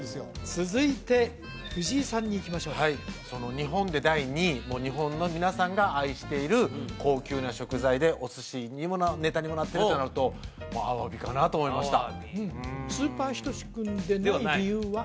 続いて藤井さんにいきましょうはい日本で第２位日本の皆さんが愛している高級な食材でお寿司のネタにもなってるってなるとアワビかなと思いましたスーパーヒトシ君でない理由は？